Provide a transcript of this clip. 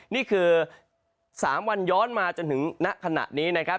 นี่คือ๓วันย้อนมาจนถึงณขณะนี้นะครับ